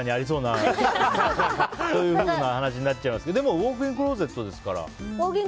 そういうふうな話になっちゃいますけどでも、ウォークインクローゼットですから。